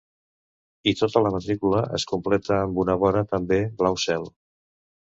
I tota la matrícula es completa amb una vora també blau cel.